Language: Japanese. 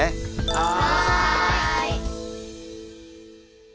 はい！